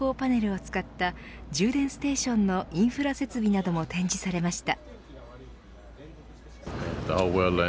さらには太陽光パネルを使った充電ステーションのインフラ設備なども展示されました。